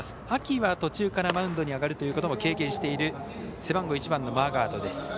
秋は途中からマウンドに上がるということも経験している背番号１番のマーガード。